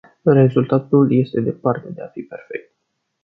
Rezultatul este departe de a fi perfect.